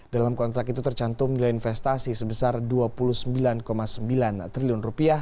dalam kontrak itu tercantum nilai investasi sebesar rp dua puluh sembilan sembilan triliun rupiah